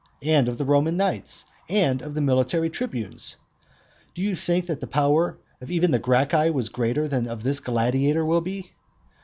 and of the Roman knights? and of the military tribunes? Do you think that the power of even the Gracchi was greater than that of this gladiator will be?